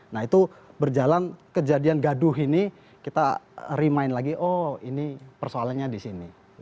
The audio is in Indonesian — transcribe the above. nah itu berjalan kejadian gaduh ini kita remind lagi oh ini persoalannya di sini